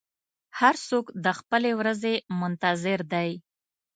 هر څوک د خپلې ورځې منتظر دی.